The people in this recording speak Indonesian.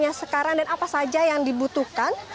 yang sekarang dan apa saja yang dibutuhkan